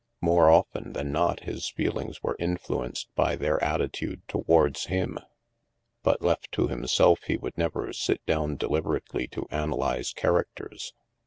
More often than not his feelings were in •fluenced by their attitude towards him. But, left to himself, he would never sit down deliberately to analyze characters.